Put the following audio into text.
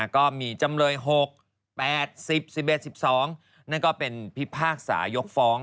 ก็มีจำเลย๖๘๐๑๑๑๒นั่นก็เป็นพิพากษายกฟ้อง